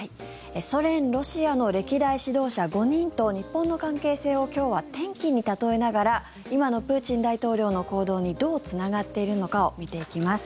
ソ連、ロシアの歴代指導者５人と日本の関係性を今日は天気に例えながら今のプーチン大統領の行動にどうつながっているのかを見ていきます。